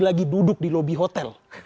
lagi duduk di lobi hotel